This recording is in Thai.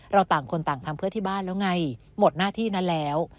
ต่างคนต่างทำเพื่อที่บ้านแล้วไงหมดหน้าที่นั้นแล้ว